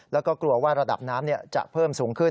แล้วก็กลัวว่าระดับน้ำจะเพิ่มสูงขึ้น